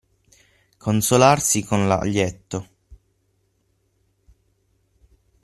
Consolarsi con l'aglietto.